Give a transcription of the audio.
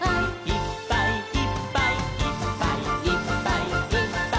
「いっぱいいっぱいいっぱいいっぱい」